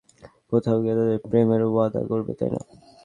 কারণ তখন প্রেমিক-প্রেমিকারা কোথায় গিয়ে তাদের প্রেমের ওয়াদা করবে, তাই না?